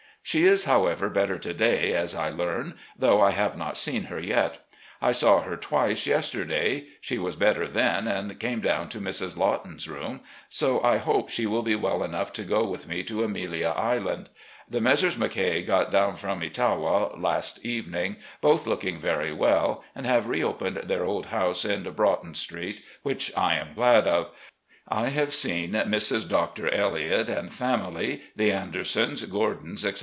She is, however, better to day, as I learn, though I have not seen her yet. I saw her twice yesterday. She was better then and came down to Mrs. Lawton's room, so I hope she will be well enough to go with me to Amelia Island. The Messrs. Mackay got down from Etowa last evening, both looking very well, and have reopened their old house in Broughton Street, which I am glad of. I have seen Mrs. Doctor Elhot and family, the Andersons, Gk)rdons, etc.